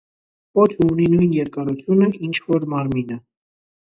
Պոչը ունի նույն երկարությունը, ինչ որ մարմինը։